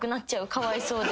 かわいそうで。